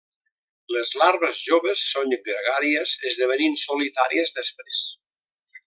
Les larves joves són gregàries, esdevenint solitàries després.